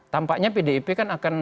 tampaknya pdip akan